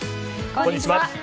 こんにちは。